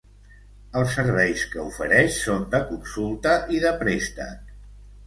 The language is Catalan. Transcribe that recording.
Els serveis que ofereix són de consulta i de préstec.